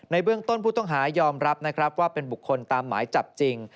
เบื้องต้นผู้ต้องหายอมรับนะครับว่าเป็นบุคคลตามหมายจับจริง